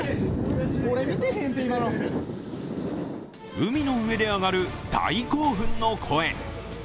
海の上で上がる大興奮の声。